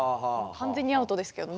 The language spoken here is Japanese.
完全にアウトですけどね